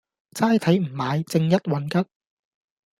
齋睇唔買，正一運吉